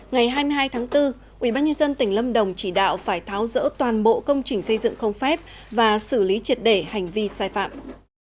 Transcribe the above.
ngày hai mươi hai tháng bốn ubnd tỉnh lâm đồng chỉ đạo phải tháo rỡ toàn bộ công trình xây dựng không phép và xử lý triệt để hành vi sai phạm